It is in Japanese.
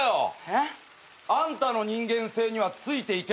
えっ？あんたの人間性にはついていけないって。